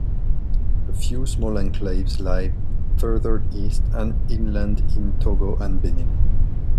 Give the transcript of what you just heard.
A few small enclaves lie further east and inland in Togo and Benin.